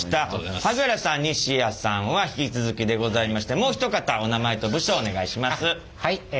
萩原さん西谷さんは引き続きでございましてもう一方お名前と部署をお願いします。